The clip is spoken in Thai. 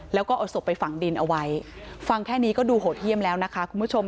แล้วก็เอาศพไปฝังดินเอาไว้ฟังแค่นี้ก็ดูโหดเยี่ยมแล้วนะคะคุณผู้ชม